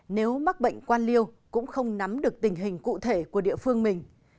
nếu mắc bệnh quan liêu cũng không nắm được tình hình cụ thể của địa phương mình